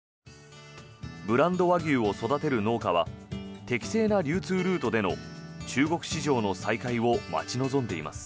ブランド和牛を育てる農家は適正な流通ルートでの中国市場の再開を待ち望んでいます。